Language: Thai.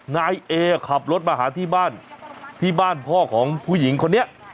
นายเอขับรถมาหาที่บ้านที่บ้านพ่อของผู้หญิงคนนี้